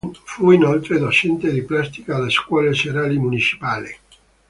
Fu inoltre docente di Plastica alle Scuole serali Municipali.